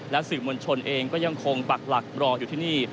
สื่อมวลชนเองก็ยังคงปักหลักรออยู่ที่นี่